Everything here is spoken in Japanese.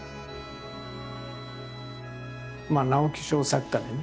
直木賞作家でね